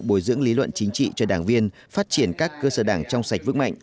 bồi dưỡng lý luận chính trị cho đảng viên phát triển các cơ sở đảng trong sạch vững mạnh